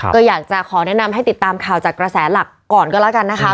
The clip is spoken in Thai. ก็อยากจะขอแนะนำให้ติดตามข่าวจากกระแสหลักก่อนก็แล้วกันนะคะ